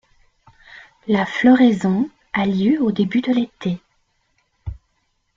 La floraison a lieu au début de l'été.